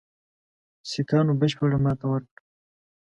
سیکهانو بشپړه ماته وکړه.